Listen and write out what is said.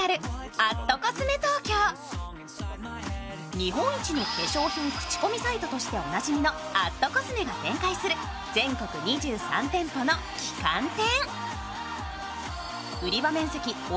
日本一の化粧品口コミサイトとしておなじみのアットコスメが展開する全国２３店舗の旗艦店。